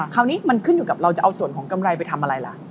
คราวนี้มันขึ้นอยู่กับเราจะเอาส่วนของกำไรไปทำอะไรล่ะ